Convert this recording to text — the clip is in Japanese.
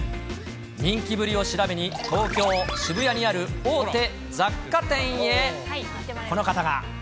人気ぶりを調べに、東京・渋谷にある大手雑貨店へ、この方が。